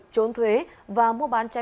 trốn thuế và mua bán trang